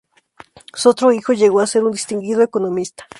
Su otro hijo llegó a ser un distinguido economista.